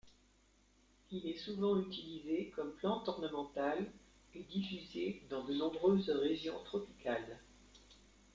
Il est souvent utilisé comme plante ornementale et diffusé dans de nombreuses régions tropicales.